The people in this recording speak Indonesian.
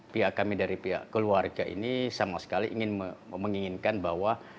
pihak kami dari pihak keluarga ini sama sekali ingin menginginkan bahwa